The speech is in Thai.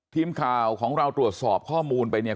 ทีมข่าวของเราตรวจสอบข้อมูลไปเนี่ย